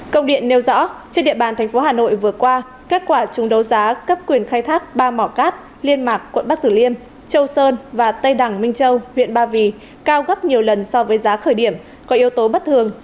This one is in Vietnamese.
công điện nêu rõ trên địa bàn thành phố hà nội vừa qua kết quả chung đấu giá cấp quyền khai thác ba mỏ cát liên mạc quận bắc tử liêm châu sơn và tây đằng minh châu huyện ba vì cao gấp nhiều lần so với giá khởi điểm có yếu tố bất thường